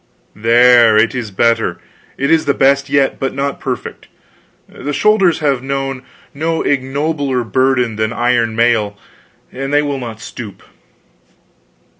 There it is better it is the best yet; but not perfect. The shoulders have known no ignobler burden than iron mail, and they will not stoop."